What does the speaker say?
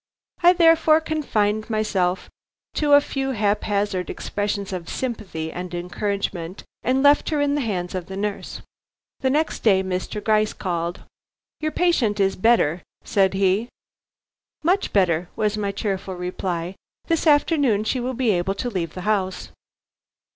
I therefore confined myself to a few haphazard expressions of sympathy and encouragement, and left her in the hands of the nurse. Next day Mr. Gryce called. "Your patient is better," said he. "Much better," was my cheerful reply. "This afternoon she will be able to leave the house."